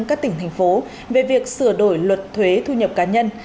các tỉnh thành phố về việc sửa đổi luật thuế thu nhập cá nhân